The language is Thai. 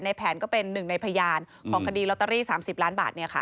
แผนก็เป็นหนึ่งในพยานของคดีลอตเตอรี่๓๐ล้านบาท